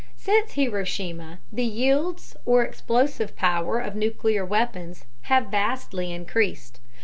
Since Hiroshima, the yields or explosive power of nuclear weapons have vastly increased.